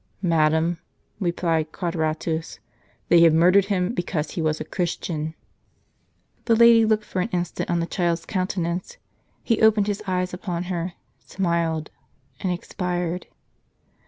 " "Madam," replied Quadratus, "they have murdered him because he was a Christian." The lady looked for an instant on the child's countenance. He opened his eyes upon her, smiled, and expired.